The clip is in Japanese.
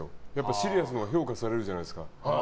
シリアスのほうが評価されるじゃないですか。